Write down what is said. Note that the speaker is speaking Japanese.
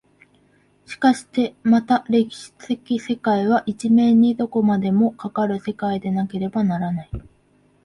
しかしてまた歴史的世界は一面にどこまでもかかる世界でなければならない。